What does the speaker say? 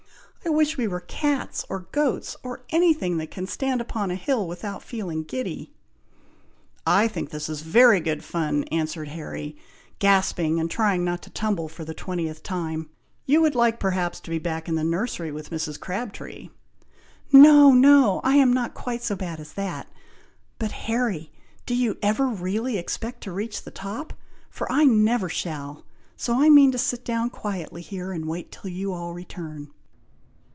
I wish we were cats, or goats, or any thing that can stand upon a hill without feeling giddy." "I think this is very good fun!" answered Harry, gasping and trying not to tumble for the twentieth time; "you would like perhaps to be back in the nursery with Mrs. Crabtree." "No! no! I am not quite so bad as that! But Harry! do you ever really expect to reach the top? for I never shall; so I mean to sit down quietly here, and wait till you all return."